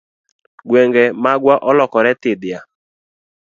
Gwenge magwa olokore thidhya.